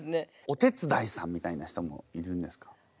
お手伝いさんみたいな人もいるんですか？